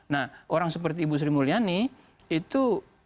nah orang seperti ibu sri mulyani itu